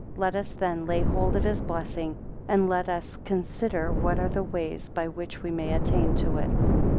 10 Let us then lay hold of his blessing, and let as consider what are the ways by which we may attain unto it.